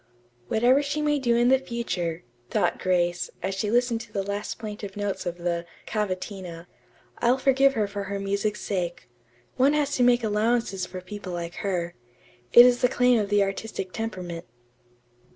"Whatever she may do in future," thought Grace, as she listened to the last plaintive notes of the "Cavatina," "I'll forgive her for her music's sake. One has to make allowances for people like her. It is the claim of the artistic temperament."